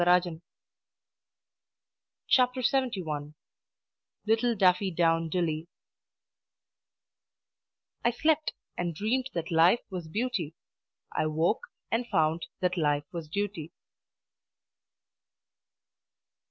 PROCTER: ("Barry Cornwall") LITTLE DAFFYDOWNDILLY "I slept, and dreamed that life was beauty; I woke, and found that life was duty."